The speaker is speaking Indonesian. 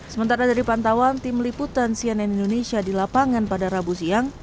sementara dari pantauan tim liputan cnn indonesia di lapangan pada rabu siang